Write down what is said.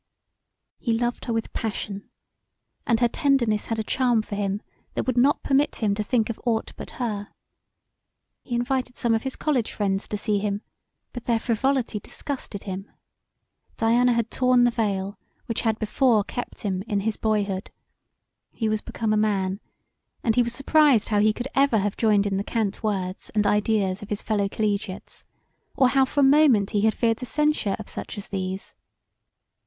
He loved her with passion and her tenderness had a charm for him that would not permit him to think of aught but her. He invited some of his college friends to see him but their frivolity disgusted him. Diana had torn the veil which had before kept him in his boyhood: he was become a man and he was surprised how he could ever have joined in the cant words and ideas of his fellow collegiates or how for a moment he had feared the censure of such as these.